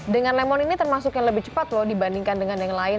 dengan lemon ini termasuk yang lebih cepat loh dibandingkan dengan yang lain